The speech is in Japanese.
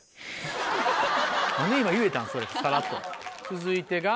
続いてが。